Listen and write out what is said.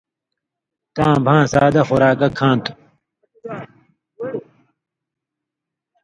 تَاں بھاں سادہ خوراکہ کھاں تھو۔